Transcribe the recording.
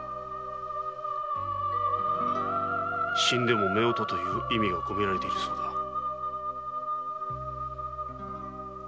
「死んでも夫婦」という意味がこめられているそうだ。